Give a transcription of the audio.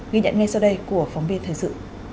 ghi nhận ngay sau đây của phóng viên thời sự